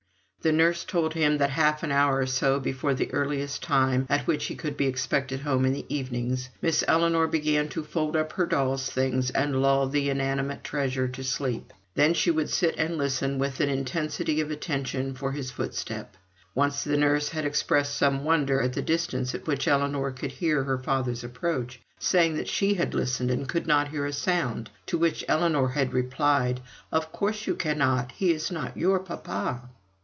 The nurse told him that half an hour or so before the earliest time at which he could be expected home in the evenings, Miss Ellinor began to fold up her doll's things and lull the inanimate treasure to sleep. Then she would sit and listen with an intensity of attention for his footstep. Once the nurse had expressed some wonder at the distance at which Ellinor could hear her father's approach, saying that she had listened and could not hear a sound, to which Ellinor had replied: "Of course you cannot; he is not your papa!"